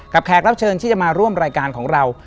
แขกรับเชิญที่จะมาร่วมรายการของเรา